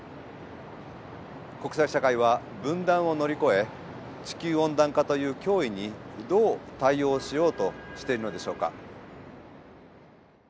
国際社会は分断を乗り越え地球温暖化という脅威にどう対応しようとしているのでしょうか。